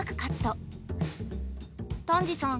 丹治さん